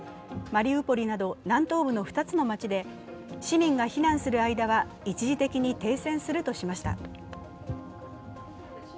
マリウポリなど南東部の２つの街で市民が避難する間は一時的に停戦するとしました。